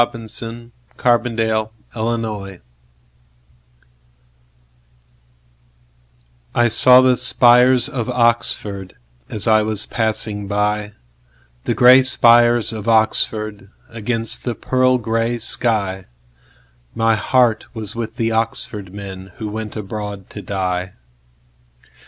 Letts The Spires of Oxford I SAW the spires of OxfordAs I was passing by, The gray spires of OxfordAgainst the pearl gray sky.My heart was with the Oxford menWho went abroad to die.